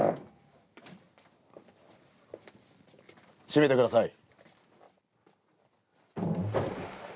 閉めてください。